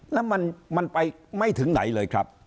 แล้วมันไปไม่ถึงไหนเลยครับ